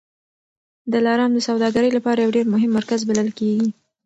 دلارام د سوداګرۍ لپاره یو ډېر مهم مرکز بلل کېږي.